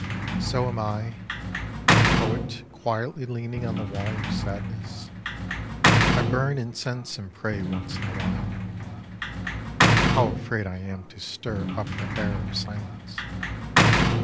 So am I — a poet quietly leaning on the wall of sadness. 76 Prose Poetns I bum incetise and pray once in a while. How afraid I am to stir up the air of silence